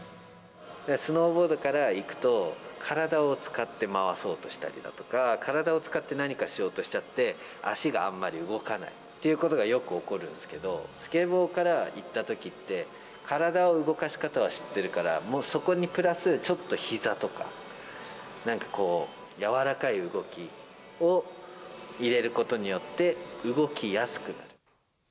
スノーボードからいくと、体を使って回そうとしたりだとか、体を使って何かしようとしちゃって、足があんまり動かないっていうことがよく起こるんですけど、スケボーからいったときって、体の動かし方は知ってるから、そこにプラスちょっとひざとか、なんかこう、柔らかい動きを入れることによって、動きやすくなる。